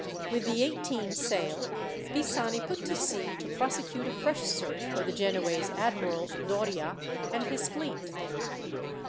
With the eighteen sail, Pisani put to sea to prosecute a fresh search for the Genoese admiral, Doria, and his fleet.